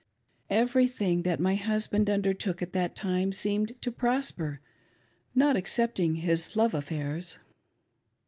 Everything that my husband undertook at that time seemed to prosper ^not excepting his love affairs.